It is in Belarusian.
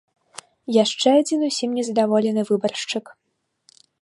Яшчэ адзін ўсім незадаволены выбаршчык.